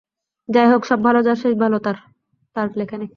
যাই হোক, সব ভাল যার শেষ ভাল।